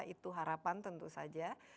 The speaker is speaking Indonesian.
itu harapan tentu saja